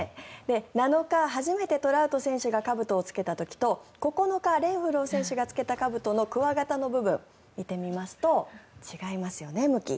７日、初めてトラウト選手がかぶとをつけた時と９日、レンフロー選手がつけたかぶとの鍬形の部分を見てみますと違いますよね、向き。